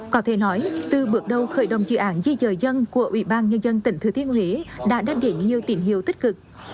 có thể nói từ bước đầu khởi động dự án di dời dân của ubnd tỉnh thứ thiên huế đã đáp đến nhiều tín hiệu tích cực